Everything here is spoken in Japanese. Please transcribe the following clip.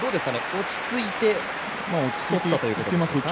落ち着いて取ったということですか。